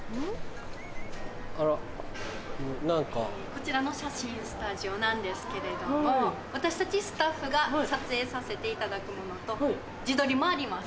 こちらの写真スタジオなんですけれども私たちスタッフが撮影させていただくものと自撮りもあります。